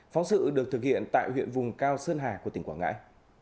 phóng sự được thực hiện tại huyện vùng cao sơn hà của tỉnh quảng ngãi